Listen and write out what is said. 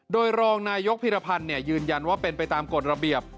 โดยรองนายกพิรพันธ์ยืนยันว่าเป็นไปตามกฎระเบียบ